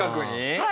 はい。